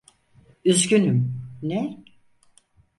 Üzgünüm, ne?